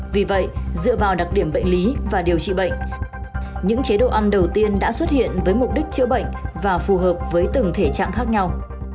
vì vậy dựa vào đặc điểm bệnh lý và điều trị bệnh những chế độ ăn đầu tiên đã xuất hiện với mục đích chữa bệnh và phù hợp với từng thể trạng khác nhau